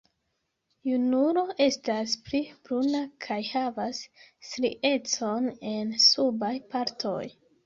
Junulo estas pli bruna kaj havas striecon en subaj partoj.